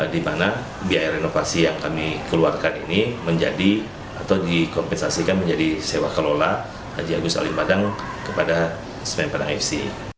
di mana biaya renovasi yang kami keluarkan ini menjadi atau dikompensasikan menjadi sewa kelola haji agus alimadang kepada smen padang afc